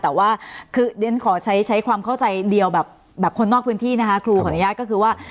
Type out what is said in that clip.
แต่ว่าคือเรียนขอใช้ความเข้าใจเดียวแบบคนนอกพื้นที่นะคะครูขออนุญาตก็คือว่า